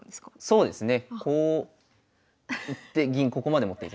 そうですね。